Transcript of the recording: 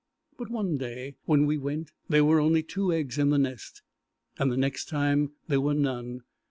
But one day when we went, there were only two eggs in the nest, and the next time there were none.